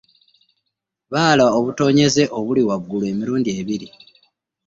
Bala obutonnyeze obuli waggulu emirundi ebiri.